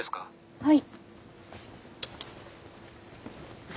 はい。